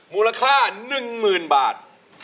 มูลค่า๑๐๐๐บาท